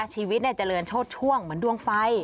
ชีวิตเจริญโชดช่วงเหมือนดวงไฟ